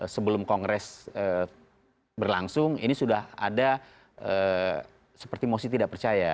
sebelum kongres berlangsung ini sudah ada seperti mosi tidak percaya